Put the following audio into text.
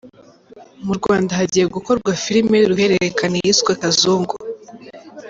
Mu Rwanda hagiye gukorwa filime y’uruhererekane yiswe Kazungu